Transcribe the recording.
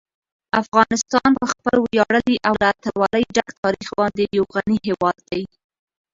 افغانستان په خپل ویاړلي او له اتلولۍ ډک تاریخ باندې یو غني هېواد دی.